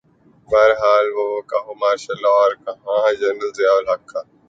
بہرحال کہاںوہ martial law اورکہاں جنرل ضیاء الحق کا۔